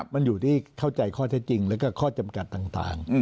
มันอยู่ที่เข้าใจข้อเท็จจริงแล้วก็ข้อจำกัดต่าง